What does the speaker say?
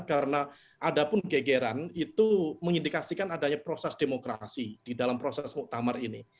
karena ada pun gegeran itu mengindikasikan adanya proses demokrasi di dalam proses muktamar ini